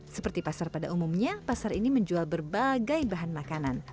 seperti pasar pada umumnya pasar ini menjual berbagai bahan makanan